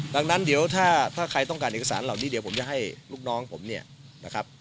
ดังนั้นเดี๋ยวถ้าใครต้องการเอกสารเหล่านี้เดี๋ยวผมจะให้ลูกน้องผมเนี่ยนะครับ